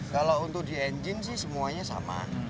kalau untuk di engine sih semuanya sama